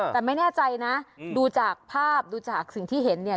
แต่ไม่แน่ใจนะดูจากภาพดูจากสิ่งที่เห็นเนี่ย